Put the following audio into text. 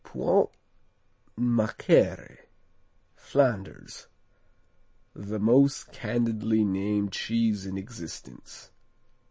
Puant Macere Flanders "The most candidly named cheese in existence."